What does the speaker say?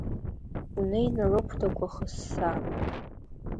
Унеины рыхәдақәа хысса!